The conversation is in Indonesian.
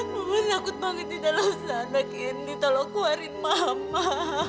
pokoknya takut banget di dalam sana gini kalau keluarin mama